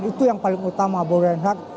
itu yang paling utama bung renhar